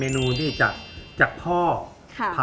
อันนี้คืออันนี้คือ